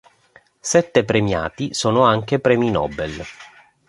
Sette premiati sono anche premi Nobel.